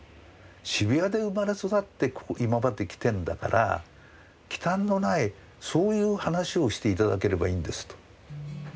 「渋谷で生まれ育って今まで来てんだからきたんのないそういう話をして頂ければいいんです」と。